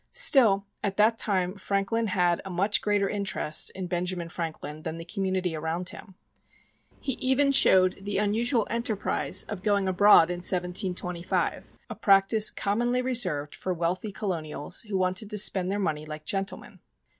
Still, at that time Franklin had a much greater interest in Benjamin Franklin than in the community around him. He even showed the unusual enterprise of going abroad in 1725, a practice commonly reserved for wealthy Colonials who wanted to spend their money like gentlemen.